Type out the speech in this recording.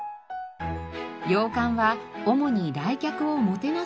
洋館は主に来客をもてなす場でした。